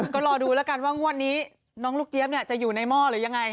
ก็รอดูแล้วกันว่างวดนี้น้องลูกเจี๊ยบจะอยู่ในหม้อหรือยังไง